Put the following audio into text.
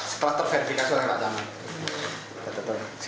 setelah terverifikasi oleh pak taman